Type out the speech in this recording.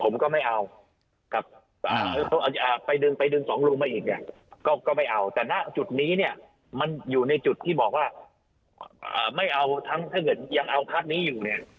แล้วยังไปดึงสองพักนี้มาอีกเนี่ย